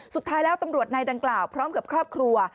สุดท้ายแล้วตำรวจนายดังกล่าวพร้อมกับครอบครัว